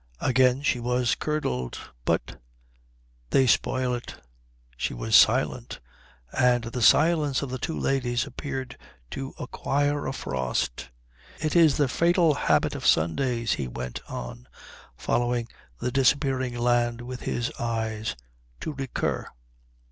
Again she was curdled. "But " "They spoil it." She was silent; and the silence of the two ladies appeared to acquire a frost. "It is the fatal habit of Sundays," he went on, following the disappearing land with his eyes, "to recur."